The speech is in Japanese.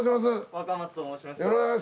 若松と申します。